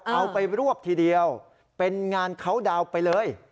เอาไปรวบทีเดียวเป็นงานเขาดาวน์ไปเลย